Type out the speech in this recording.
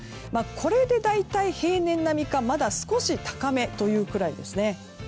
これで大体平年並みかまだ少し高めですね。